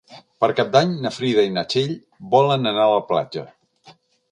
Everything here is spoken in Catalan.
Per Cap d'Any na Frida i na Txell volen anar a la platja.